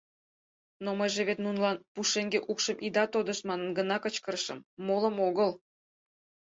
Но мыйже вет нунылан «Пушеҥге укшым ида тодышт» манын гына кычкырышым, молым огыл.